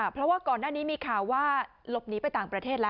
เพราะว่าก่อนหน้านี้มีข่าวว่าหลบหนีไปต่างประเทศแล้ว